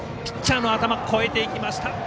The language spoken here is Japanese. ピッチャーの頭を越えていきました。